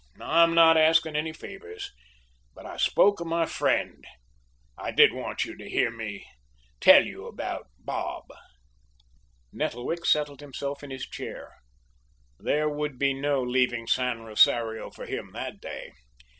I'm not asking any favours. But, I spoke of my friend. I did want you to hear me tell you about Bob." Nettlewick settled himself in his chair. There would be no leaving San Rosario for him that day.